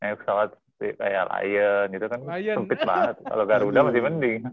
naik pesawat kayak lion gitu kan sumpit banget kalau nggak udah masih mending